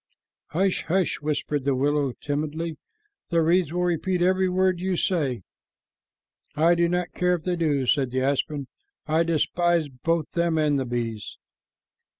"Hush, hush," whispered the willow timidly. "The reeds will repeat every word that you say." "I do not care if they do," said the aspen. "I despise both them and the bees."